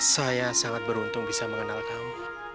saya sangat beruntung bisa mengenal kamu